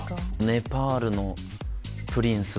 ネパールのプリンス！